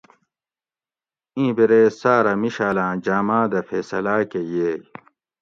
اِیں بِرے ساۤرہ مشالاۤں جاماۤ دہ فیصلاۤ کہ ییئے